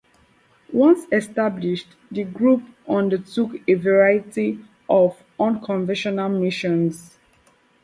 Once established, the groups undertook a variety of unconventional missions.